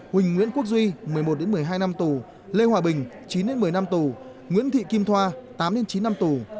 huỳnh nguyễn quốc duy một mươi một một mươi hai năm tù lê hòa bình chín một mươi năm tù nguyễn thị kim thoa tám chín năm tù